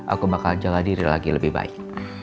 aku bakal jalan diri lagi lebih baik